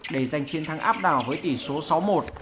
để giành chiến thắng áp đảo với tỷ số sáu một